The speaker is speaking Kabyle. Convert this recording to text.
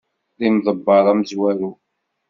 D imeḍebber amezwaru?